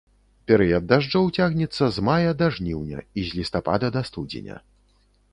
Перыяд дажджоў цягнецца з мая да жніўня, і з лістапада да студзеня.